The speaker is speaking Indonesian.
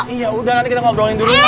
iya udah nanti kita ngobrolin dulu